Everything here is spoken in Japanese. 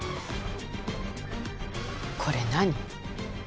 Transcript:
これ何？